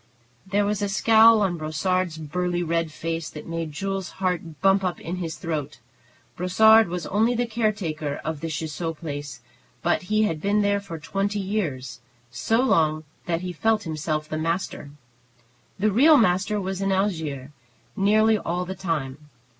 There was a scowl on Brossard's burly red face that made Jules's heart bump up in his throat. Brossard was only the caretaker of the Ciseaux place, but he had been there for twenty years, so long that he felt himself the master. The real master was in Algiers nearly all the time.